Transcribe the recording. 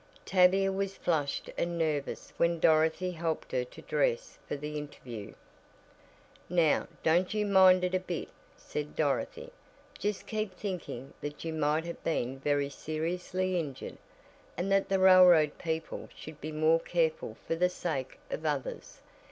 Tavia was flushed and nervous when Dorothy helped her to dress for the interview. "Now don't you mind it a bit," said Dorothy. "Just keep thinking that you might have been very seriously injured, and that the railroad people should be more careful for the sake of others.